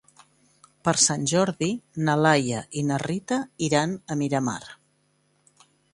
Per Sant Jordi na Laia i na Rita iran a Miramar.